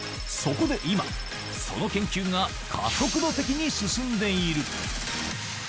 そこで今、その研究が加速度的に進んでいる。